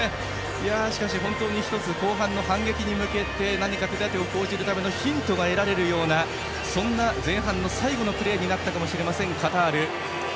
しかし、本当に１つ後半の反撃に向けて何か手立てを講じるためのヒントが得られるようなそんな前半最後のプレーになったかもしれません、カタール。